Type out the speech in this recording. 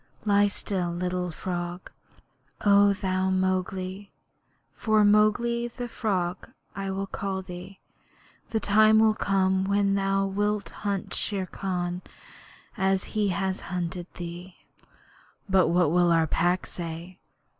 Lie still, little frog. O thou Mowgli for Mowgli the Frog I will call thee the time will come when thou wilt hunt Shere Khan as he has hunted thee.' 'But what will our Pack say?'